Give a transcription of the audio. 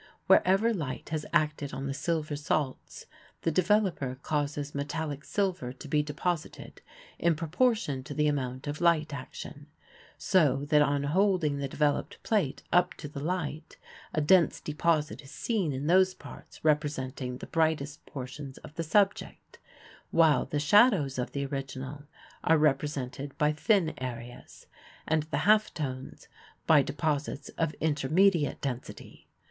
Wherever light has acted on the silver salts the developer causes metallic silver to be deposited in proportion to the amount of light action, so that on holding the developed plate up to the light a dense deposit is seen in those parts representing the brightest portions of the subject, while the shadows of the original are represented by thin areas, and the half tones by deposits of intermediate density.